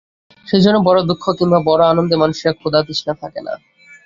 সেইজন্যেই বড়ো দুঃখে কিম্বা বড়ো আনন্দে মানুষের ক্ষুধাতৃষ্ণা থাকে না।